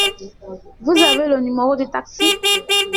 Vous avez le numéro du taxi ?